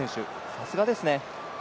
さすがですね。